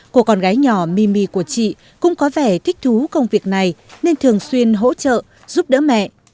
cô con gái nhỏ mimi của chị cũng có vẻ thích thú công việc này nên thường xuyên hỗ trợ giúp đỡ mẹ